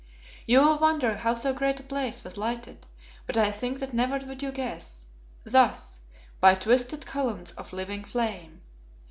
You will wonder how so great a place was lighted, but I think that never would you guess. Thus by twisted columns of living flame!